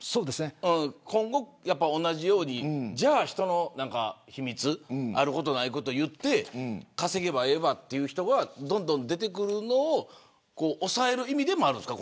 今後、同じように人の秘密あることないことを言って稼げばええわという人がどんどん出てくるのを抑える意味でもあるんですか